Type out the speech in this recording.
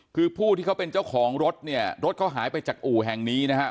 คือผู้ที่เขาเป็นเจ้าของรถเนี่ยรถเขาหายไปจากอู่แห่งนี้นะฮะ